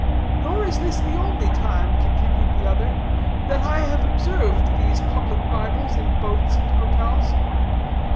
"Nor is this the only time," continued the other, "that I have observed these public Bibles in boats and hotels.